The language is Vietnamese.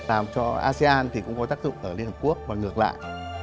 làm cho asean thì cũng có tác dụng ở liên hợp quốc và ngược lại